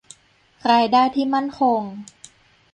รายได้ที่มั่นคง